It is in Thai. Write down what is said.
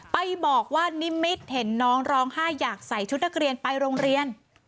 ไปบอกว่านิมิตเห็นน้องร้องไห้อยากใส่ชุดนักเรียนไปโรงเรียน